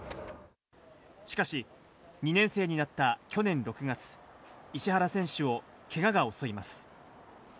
しかし、２年生になった去年６月、石原選手をけがが襲います。